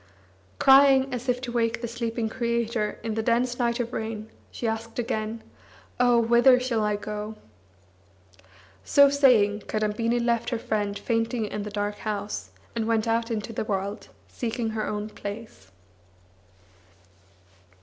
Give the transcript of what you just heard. Crying as if to wake the sleeping Creator in the dense night of rain, she asked again: "Oh! whither shall I go?" So saying Kadambini left her friend fainting in the dark house, and went out into the world, seeking her own place.